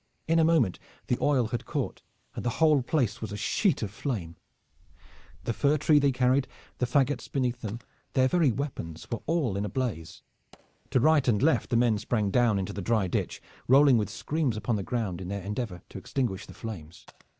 In a moment the oil had caught and the whole place was a sheet of flame. The fir tree that they carried, the fagots beneath them, their very weapons, were all in a blaze. To right and left the men sprang down into the dry ditch, rolling with screams upon the ground in their endeavor to extinguish the flames.